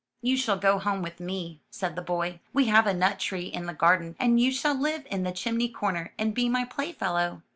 You shall go home with me,'' said the boy. *We have a nut tree in the garden and you shall live in the chimney corner and be my playfellow.''